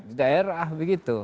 di daerah begitu